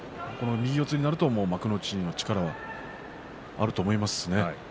右四つになると幕内の力はあると思いますよ。